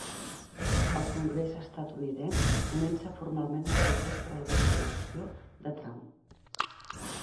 El congrés estatunidenc comença formalment el procés per a la destitució de Trump.